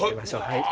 はい。